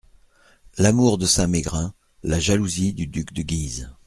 L’amour de Saint-Mégrin, la jalousie du duc de Guise…